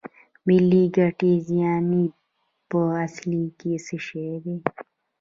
ملي ګټې یانې په اصل کې څه شی دي